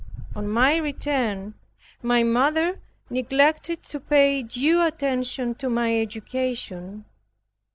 On my return, my mother neglected to pay due attention to my education.